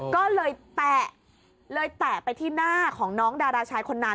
ก็เลยแตะเลยแตะไปที่หน้าของน้องดาราชายคนนั้น